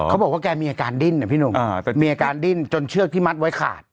เขาบอกว่าแกมีอาการดิ้นนะพี่หนุ่มมีอาการดิ้นจนเชือกที่มัดไว้ขาด